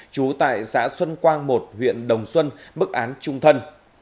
trú tại xã xuân quang một huyện đồng xuân bức án chung thân